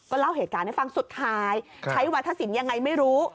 เล่าเหตุการณ์ให้ฟังสุดท้ายใช้วัฒนศิลป์ยังไงไม่รู้